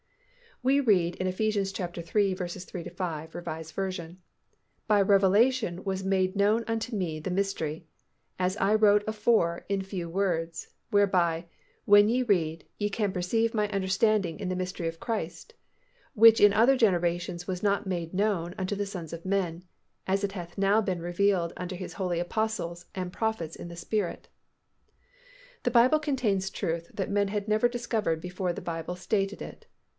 _ We read in Eph. iii. 3 5, R. V., "By revelation was made known unto me the mystery, as I wrote afore in few words, whereby, when ye read, ye can perceive my understanding in the mystery of Christ; which in other generations was not made known unto the sons of men, as it hath now been revealed unto His holy Apostles and prophets in the Spirit." The Bible contains truth that men had never discovered before the Bible stated it.